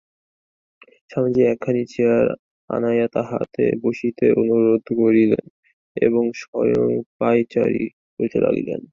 স্বামীজী একখানি চেয়ার আনাইয়া তাঁহাকে বসিতে অনুরোধ করিলেন এবং স্বয়ং পায়চারি করিতে লাগিলেন।